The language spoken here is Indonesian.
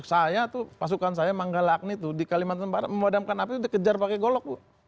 saya tuh pasukan saya mangga lakni tuh di kalimantan barat memadamkan api itu dikejar pakai golok